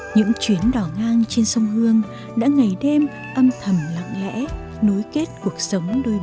những chuyến đỏ ngang trên sông hương đã ngày đêm âm thầm lặng lẽ nối kết cuộc sống đôi bờ